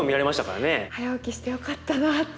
早起きしてよかったなって